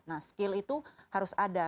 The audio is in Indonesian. nah skill itu harus ada